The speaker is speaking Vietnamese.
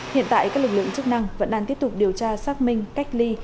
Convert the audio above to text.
hiện tại các lực lượng chức năng vẫn đang tiếp tục điều tra xác minh cách ly